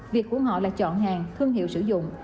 việc của họ là chọn hàng thương hiệu sử dụng